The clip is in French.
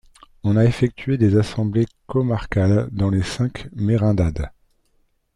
On a effectué des assemblées comarcales dans les cinq merindades.